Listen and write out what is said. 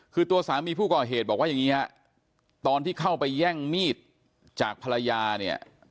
คือตัวสามีผู้ก่อเหตุบอกว่าอย่างนี้ฮะตอนที่เข้าไปแย่งมีดจากภรรยาเนี่ย